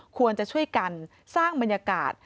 ควรจะช่วยกันสร้างบรรยากาศ